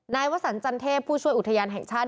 วสันจันเทพผู้ช่วยอุทยานแห่งชาติ